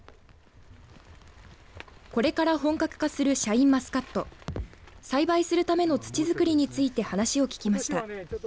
これから本格化するシャインマスカット。栽培するための土づくりについて話を聞きました。